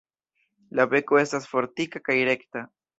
La beko estas fortika kaj rekta.